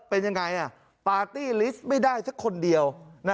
เป็นยังไงปาร์ตี้ลิสต์ไม่ได้สักคนเดียว